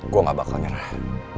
gue gak bakal nyerah